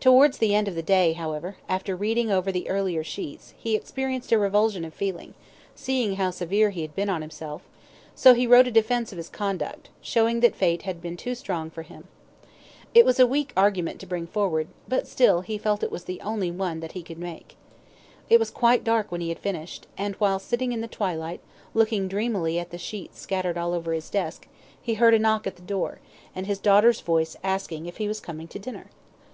Towards the end of the day, however, after reading over the earlier sheets, he experienced a revulsion of feeling, seeing how severe he had been on himself, so he wrote a defence of his conduct, showing that fate had been too strong for him. It was a weak argument to bring forward, but still he felt it was the only one that he could make. It was quite dark when he had finished, and while sitting in the twilight, looking dreamily at the sheets scattered all over his desk, he heard a knock at the door, and his daughter's voice asking if he was coming to dinner.